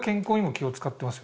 気を使ってます。